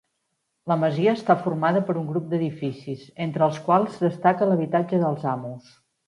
La masia està formada per un grup d'edificis, entre els quals destaca l'habitatge dels amos.